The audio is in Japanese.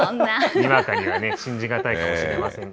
にわかには信じ難いかもしれませんが。